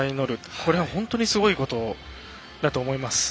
これは本当にすごいことだと思います。